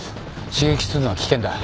刺激するのは危険だ。